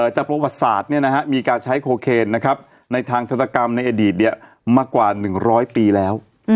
จับประวัติศาสตร์เนี่ยนะฮะมีการใช้โคเคนนะครับในทางทันตกรรมในอดีตเนี่ยมากกว่า๑๐๐ปีแล้ว